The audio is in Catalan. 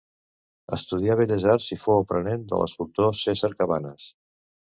Estudià belles arts, i fou aprenent de l'escultor Cèsar Cabanes.